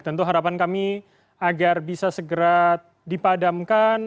tentu harapan kami agar bisa segera dipadamkan